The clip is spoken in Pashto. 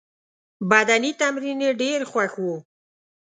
بدني تمرین یې ډېر خوښ وو.